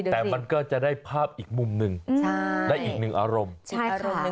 แต่มันก็จะได้ภาพอีกมุมนึงได้อีกนึงอารมณ์